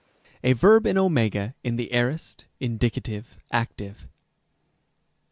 A verb in ὦ, in the aorist, indicative, active.